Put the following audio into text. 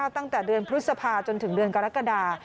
ตั้งแต่เดือนพฤษภาจนถึงเดือนกรกฎา